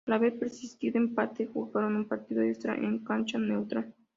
Al haber persistido empate jugaron un partido extra en cancha neutral.